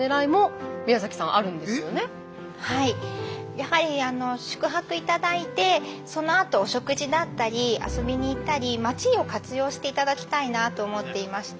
やはり宿泊頂いてそのあとお食事だったり遊びに行ったり街を活用して頂きたいなと思っていまして。